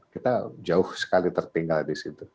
kita jauh sekali tertinggal di situ